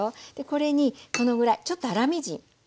これにこのぐらいちょっと粗みじん。